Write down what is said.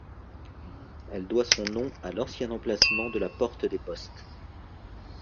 Elle doit son nom à l'ancien emplacement de la porte des Postes.